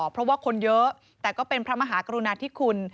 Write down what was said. เพราะว่าคนเยอะแต่ก็เป็นพระมหากรุณาธิคุณ